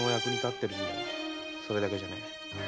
〔それだけじゃねえ。